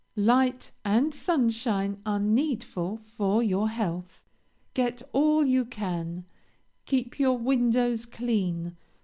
"Light and sunshine are needful for your health. Get all you can; keep your windows clean.